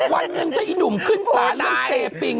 วันหนึ่งจะอีหนุ่มขึ้นฝาลาย